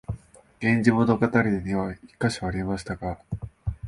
「源氏物語」には一カ所ありましたが、